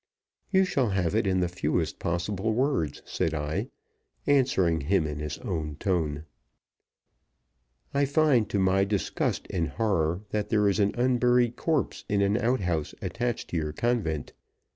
"You shall have it in the fewest possible words," said I, answering him in his own tone. "I find, to my disgust and horror, that there is an unburied corpse in an outhouse attached to your convent.